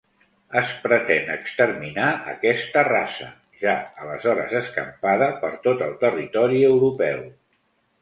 Es pretén exterminar aquesta raça, ja aleshores escampada per tot el territori europeu.